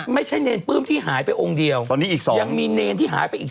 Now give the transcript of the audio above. ไม่ใช่เนรปลื้มที่หายไปองค์เดียวยังมีเนรที่หายไปอีก๒